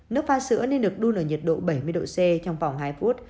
nước pha sữa nên được đun ở nhiệt độ bảy mươi độ c trong vòng hai phút